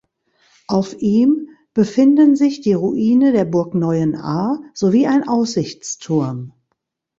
Auf ihm befinden sich die Ruine der Burg Neuenahr sowie ein Aussichtsturm.